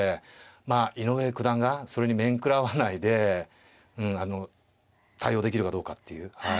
まあ井上九段がそれにめんくらわないでうんあの対応できるかどうかっていうはい。